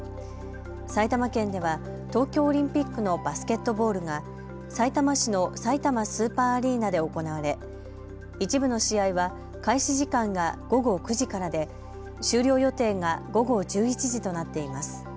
埼玉県では東京オリンピックのバスケットボールがさいたま市のさいたまスーパーアリーナで行われ一部の試合は開始時間が午後９時からで終了予定が午後１１時となっています。